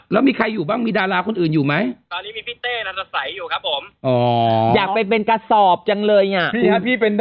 แล้วมีใครอยู่บ้างมีดาราคนอื่นอยู่ไหมตอนนี้มีพี่เต้นรัศสัยอยู่ครับผมอ๋อ